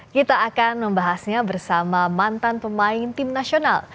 kita akan membahasnya bersama mantan pemain tim nasional